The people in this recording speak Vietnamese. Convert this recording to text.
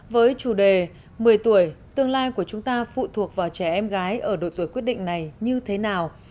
với chủ đề một mươi tuổi tương lai của chúng ta phụ thuộc vào trẻ em gái ở độ tuổi quyết định này như thế nào